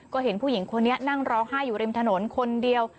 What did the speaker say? ก็เห็นผู้หญิงคนนี้นั่งร้องไห้อยู่ริมถนนคนเดียว